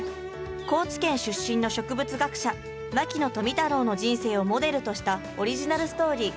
高知県出身の植物学者牧野富太郎の人生をモデルとしたオリジナルストーリー。